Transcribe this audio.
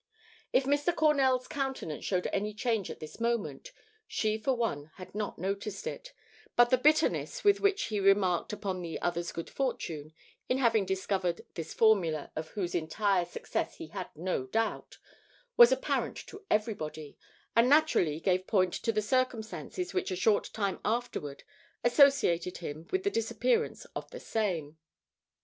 If Mr. Cornell's countenance showed any change at this moment, she for one had not noticed it; but the bitterness with which he remarked upon the other's good fortune in having discovered this formula of whose entire success he had no doubt, was apparent to everybody, and naturally gave point to the circumstances which a short time afterward associated him with the disappearance of the same.